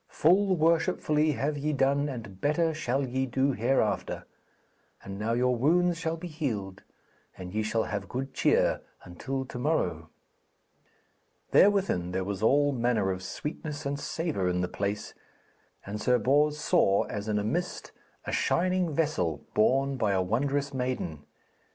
Full worshipfully have ye done and better shall ye do hereafter. And now your wounds shall be healed and ye shall have good cheer until to morrow.' Therewith there was all manner of sweetness and savour in the place, and Sir Bors saw as in a mist a shining vessel borne by a wondrous maiden.